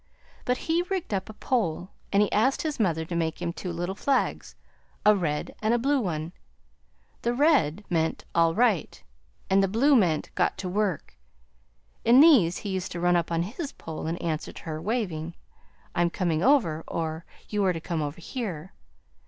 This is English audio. But he rigged up a pole, and he asked his mother to make him two little flags, a red and a blue one. The red meant 'All right'; and the blue meant 'Got to work'; and these he used to run up on his pole in answer to her waving 'I'm coming over,' or 'You are to come over here.'